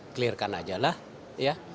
clear kan aja lah ya